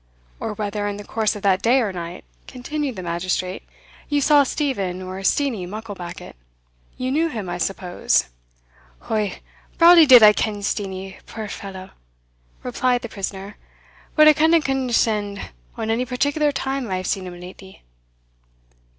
"Or whether, in the course of that day or night," continued the magistrate, "you saw Steven, or Steenie, Mucklebackit? you knew him, I suppose?" "O, brawlie did I ken Steenie, puir fallow," replied the prisoner; "but I canna condeshend on ony particular time I have seen him lately."